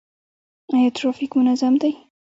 آیا ټرافیک منظم دی؟